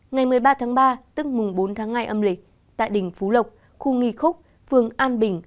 ngày một mươi ba tháng ba tức mùng bốn tháng hai âm lịch tại đình phú lộc khu nghi khúc phường an bình